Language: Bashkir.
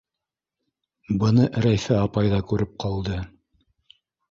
Быны Рәйфә апай ҙа күреп ҡалды.